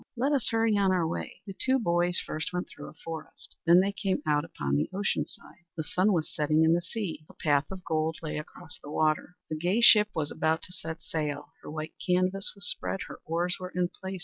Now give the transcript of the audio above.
Let us hurry on our way." The two boys first went through a forest. Then they came out upon the ocean side. The sun was setting in the sea. A path of gold lay across the water. A gay ship was about to set sail. Her white canvas was spread; her oars were in place.